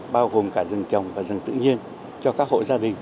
bao gồm cả rừng trồng và rừng tự nhiên cho các hộ gia đình